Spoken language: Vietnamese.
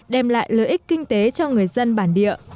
đem lại lợi ích kinh tế cho người dân bản địa